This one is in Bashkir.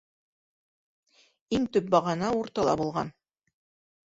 Иң төп бағана уртала булған.